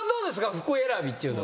服選びっていうのは。